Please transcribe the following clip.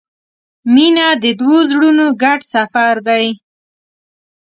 • مینه د دوو زړونو ګډ سفر دی.